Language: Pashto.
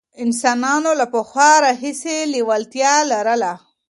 انسانانو له پخوا راهیسې لېوالتیا لرله.